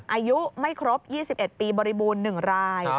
อายุไม่ครบ๒๑ปีบริบูรณ์๑ราย